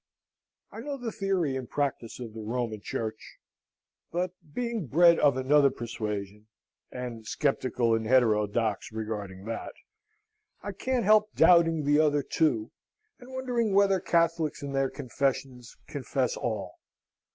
I know the theory and practice of the Roman Church; but, being bred of another persuasion (and sceptical and heterodox regarding that), I can't help doubting the other, too, and wondering whether Catholics, in their confessions, confess all?